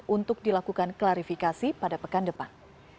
untuk dilakukan klarifikasi pada pekan depan